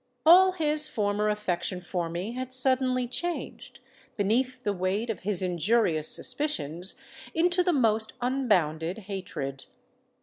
All his former affection for me had suddenly changed, beneath the weight of his injurious suspicions, into the most unbounded hatred.